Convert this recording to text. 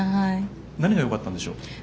何がよかったんでしょう？